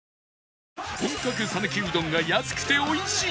本格讃岐うどんが安くて美味しい！